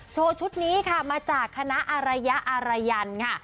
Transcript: ชุดนี้ค่ะมาจากคณะอารยะอารยันค่ะ